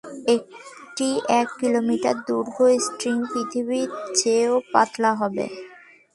একটি এক কিলোমিটার দীর্ঘ স্ট্রিং পৃথিবীর চেয়েও পাতলা হবে।